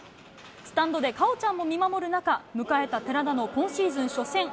スタンドで果緒ちゃんも見守る中、迎えた寺田の今シーズン初戦。